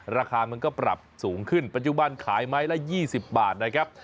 ราคามันก็ปรับสูงขึ้นปัจจุบันขายไม้ละ๒๐บาทนะครับ